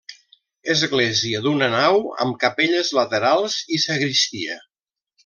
Església d'una nau amb capelles laterals i sagristia.